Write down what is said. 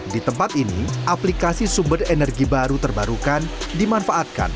di tempat ini aplikasi sumber energi baru terbarukan dimanfaatkan